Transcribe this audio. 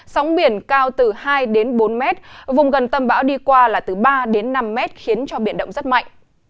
sóng biển cao từ hai đến bốn mét vùng gần tâm bão đi qua là từ ba đến năm mét khiến cho biển động rất mạnh